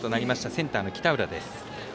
センターの北浦。